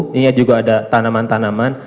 mengingat juga ada tanaman tanaman